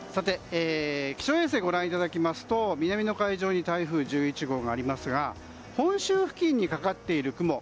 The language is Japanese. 気象衛星ご覧いただきますと南の海上に台風１１号がありますが本州付近にかかっている雲